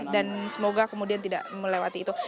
dan semoga kemudian tidak melewati itu